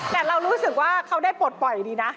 แต่เรารู้สึกว่าเขาได้ปลดปล่อยดีนะ